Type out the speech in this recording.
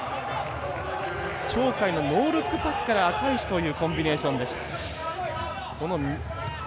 鳥海のノールックパスから赤石というコンビネーションでした。